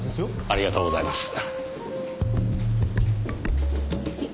ありがとうございます。